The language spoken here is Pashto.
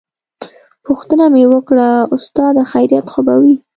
پوښتنه مې وکړه استاده خيريت خو به وي.